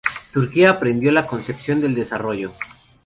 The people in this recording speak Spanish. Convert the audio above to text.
Turquía aprendió la concepción del desarrollo.